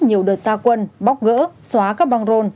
nhiều đợt xa quân bóc gỡ xóa các bong rôn